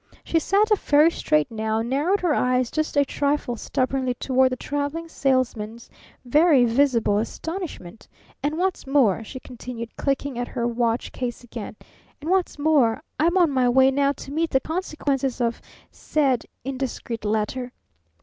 She sat up very straight now and narrowed her eyes just a trifle stubbornly toward the Traveling Salesman's very visible astonishment. "And what's more," she continued, clicking at her watch case again "and what's more, I'm on my way now to meet the consequences of said indiscreet letter.'"